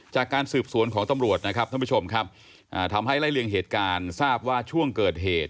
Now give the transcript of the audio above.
จากการสืบสวนของตำรวจทำให้ใบเรียงเหตุการณ์ที่ทราบว่าช่วงเกิดเหตุ